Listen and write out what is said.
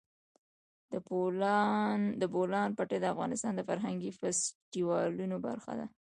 د بولان پټي د افغانستان د فرهنګي فستیوالونو برخه ده.